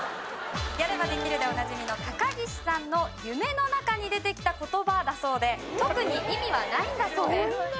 「やればできる」でおなじみの高岸さんの夢の中に出てきた言葉だそうで特に意味はないんだそうです。